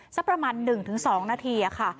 สักประมาณ๑๒นาทีค่ะ